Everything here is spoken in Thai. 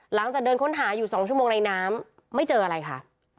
หลังจากเดินค้นหาอยู่๒ชั่วโมงในน้ำไม่เจออะไรค่ะ